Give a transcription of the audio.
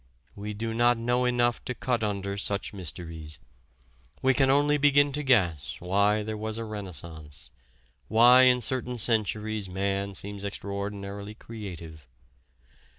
We do not know enough to cut under such mysteries. We can only begin to guess why there was a Renaissance, why in certain centuries man seems extraordinarily creative.